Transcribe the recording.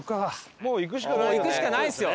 もう行くしかないよね。